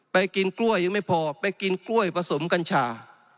ไปกินกล้วยยังไม่พอไปกินกล้วยผสมกัญชา